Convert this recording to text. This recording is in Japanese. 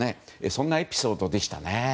そんなエピソードでしたね。